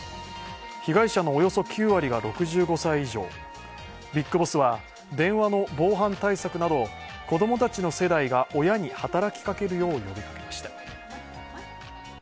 被害者のおよそ９割が６５歳以上、ＢＩＧＢＯＳＳは、電話の防犯対策など、子供たちの世代が親に働きかけるよう呼びかけました。